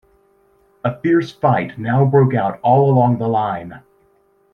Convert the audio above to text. A fierce fight now broke out all along the line.